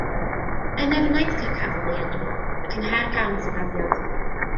Yn Nyfnaint y cafodd ei eni, ac yng Nghaergrawnt y graddiodd.